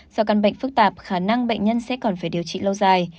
do căn bệnh phức tạp khả năng bệnh nhân sẽ còn phải điều trị lâu dài